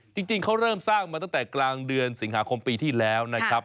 จริงเขาเริ่มสร้างมาตั้งแต่กลางเดือนสิงหาคมปีที่แล้วนะครับ